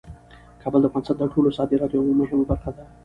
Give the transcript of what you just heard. کابل د افغانستان د ټولو صادراتو یوه مهمه برخه ده.